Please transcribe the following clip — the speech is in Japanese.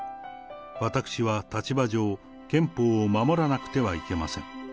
私は立場上、憲法を守らなくてはなりません。